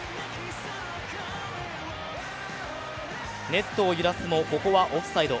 ネットを揺らすもここはオフサイド。